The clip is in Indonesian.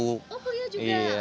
oh kuliah juga